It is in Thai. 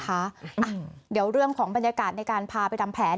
เดี๋ยวเรื่องของบรรยากาศในการพาไปทำแผน